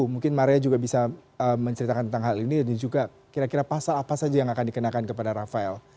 mungkin maria juga bisa menceritakan tentang hal ini dan juga kira kira pasal apa saja yang akan dikenakan kepada rafael